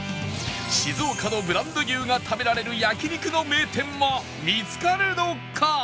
静岡のブランド牛が食べられる焼肉の名店は見つかるのか？